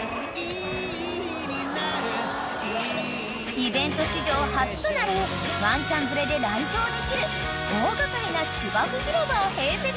［イベント史上初となるワンちゃん連れで来場できる大掛かりな芝生広場を併設］